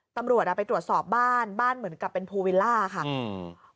ตำรวจอ่ะไปตรวจสอบบ้านบ้านเหมือนกับเป็นภูวิลล่าค่ะอืม